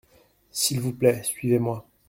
S’il vous plait suivez-moi.